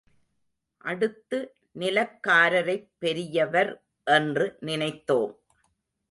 அடுத்து நிலக்காரரைப் பெரியவர் என்று நினைத்தோம்.